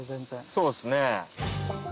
そうですね。